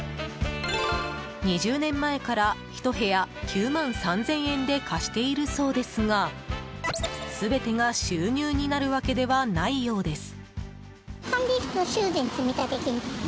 ２０年前から１部屋９万３０００円で貸しているそうですが全てが収入になるわけではないようです。